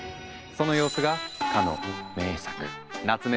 その様子がかの名作夏目